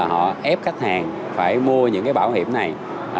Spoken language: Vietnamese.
họ ép khách hàng phải mua những cái bảo hiểm này